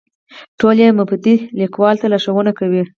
ټول یې مبتدي لیکوالو ته لارښوونې کوي.